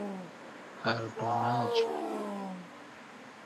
aldonaĵo